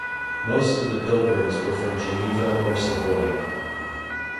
Most of the pilgrims were from Geneva or Savoy.